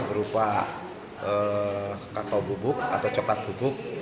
berupa kakao bubuk atau coklat bubuk